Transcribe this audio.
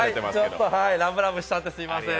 ちょっとラブラブしちゃってすみません。